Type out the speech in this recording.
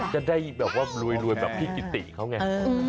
จะได้แบบว่ารวยแบบพี่กิติเขาไง